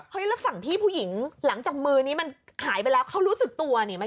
แล้วฝั่งพี่ผู้หญิงหลังจากมือนี้มันหายไปแล้วเขารู้สึกตัวนี่